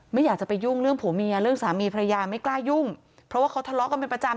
ไม่อยากจะไปยุ่งเรื่องผัวเมียเรื่องสามีภรรยาไม่กล้ายุ่งเพราะว่าเขาทะเลาะกันเป็นประจำ